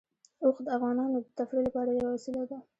اوښ د افغانانو د تفریح لپاره یوه وسیله ده.